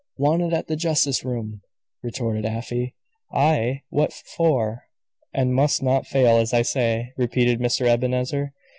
"Wanted at the justice room!" retorted Afy. "I! What for?" "And must not fail, as I say," repeated Mr. Ebenezer.